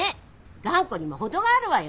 頑固にも程があるわよね。